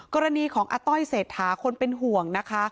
กรณีของอาต้อยเศรษฐาคนเป็นห่วงนะคะ